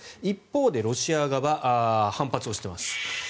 一方でロシア側は反発をしています。